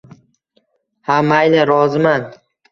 Ha, mayli roziman